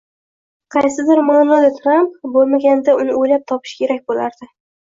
Qaysidir ma’noda, Tramp bo‘lmaganida uni o‘ylab topish kerak bo‘lardi.